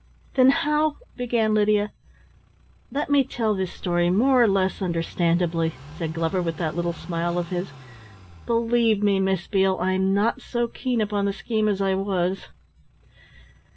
"Then how " began Lydia. "Let me tell this story more or less understandably," said Glover with that little smile of his. "Believe me, Miss Beale, I'm not so keen upon the scheme as I was.